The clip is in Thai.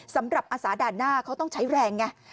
สำหรับอาสาด่านหน้าเขาต้องใช้แรง